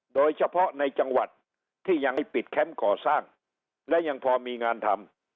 โดยเฉพาะในจังหวัดที่ยังปิดแคมป์ก่อสร้างและยังพอมีงานทำ